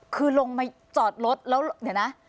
คือลงมาจอดรถแล้วเดี๋ยวนะ